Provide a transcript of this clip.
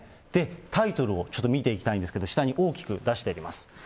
タイトルをちょっと見ていきたいんですけど、下に大きく出してあります。